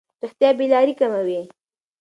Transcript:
رښتیا بې لارۍ کموي.